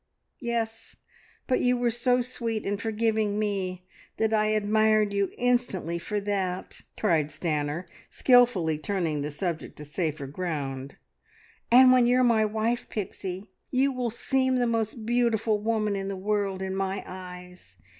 Yes! But you were so sweet in forgiving me that I admired you instantly for that!" cried Stanor, skilfully turning the subject to safer ground. "And when you're my wife, Pixie, you will seem the most beautiful woman in the world in my eyes.